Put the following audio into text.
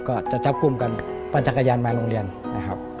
ก็จะจับกลุ่มกันปั่นจักรยานมาโรงเรียนนะครับ